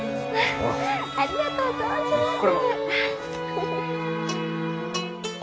あっありがとう存じます！